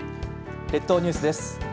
列島ニュースです。